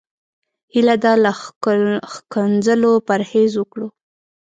هيله ده له ښکنځلو پرهېز وکړو.